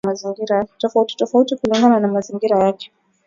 tofauti tofauti kulingana na mazingira yake